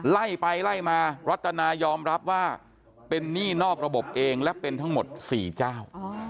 ไล่ไปไล่มารัตนายอมรับว่าเป็นหนี้นอกระบบเองและเป็นทั้งหมด๔เจ้า